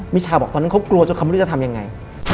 มิชาบอกตอนนั้นเขากลัวจนเขาไม่รู้จะทำยังไง